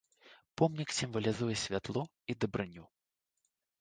Помнік сімвалізуе святло і дабрыню.